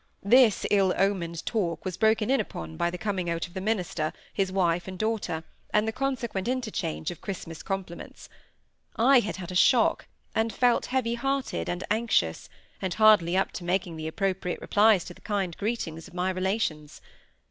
This ill omened talk was broken in upon by the coming out of the minister, his wife and daughter, and the consequent interchange of Christmas compliments. I had had a shock, and felt heavy hearted and anxious, and hardly up to making the appropriate replies to the kind greetings of my relations.